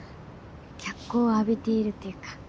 脚光をあびているっていうか。